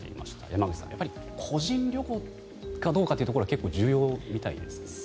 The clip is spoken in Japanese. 山口さん、やっぱり個人旅行かどうかというところが結構重要みたいですね。